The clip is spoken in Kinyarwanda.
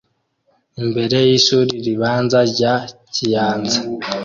imbere yishuri ribanza rya kiyanza